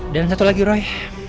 dan satu lagi rai